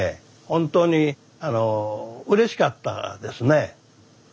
本当にうれしかったですね。